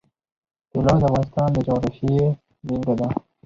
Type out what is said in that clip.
طلا د افغانستان د جغرافیې بېلګه ده.